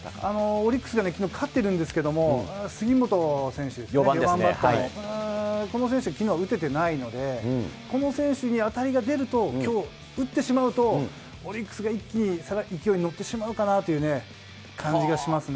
オリックスがきのう勝ってるんですけれども、杉本選手、４番バッターの、この選手はきのうは打ててないので、この選手に当たりが出ると、きょう、打ってしまうと、オリックスが一気に勢いに乗ってしまうかなという感じがしますね。